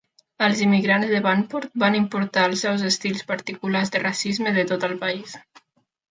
Els immigrants de Vanport van importar els seus estils particulars de racisme de tot el país.